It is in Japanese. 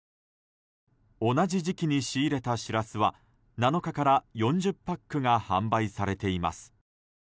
同じ時期に仕入れたシラスは７日から４０パックが販売されています。